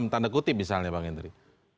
tanda kutip misalnya pak menteri